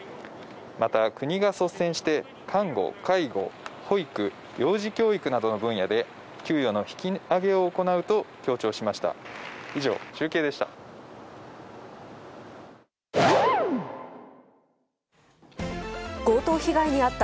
また、国が率先して、看護、介護、保育、幼児教育などの分野で、給与の引き上げを行うと強調しました。